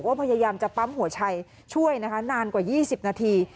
พยายามจะปั๊มหัวใจช่วยนะคะนานกว่า๒๐นาที